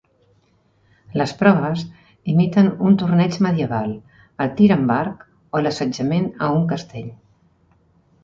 Les proves imiten un torneig medieval, el tir amb arc o l'assetjament a un castell.